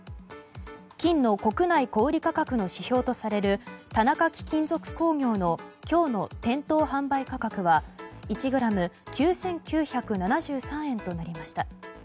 金の国内小売価格の指標とされる田中貴金属工業の今日の店頭販売価格は１ｇ＝９９７３円となりました。